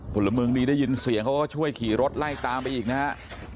ผลเมืองดีได้ยินเสียงเขาก็ช่วยขี่รถไล่ตามไปอีกนะฮะ